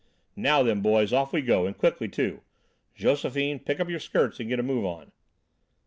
"Now, then, boys, off we go, and quickly, too! Josephine, pick up your skirts and get a move on!"